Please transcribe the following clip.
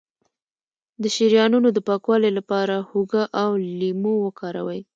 د شریانونو د پاکوالي لپاره هوږه او لیمو وکاروئ